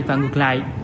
và ngược lại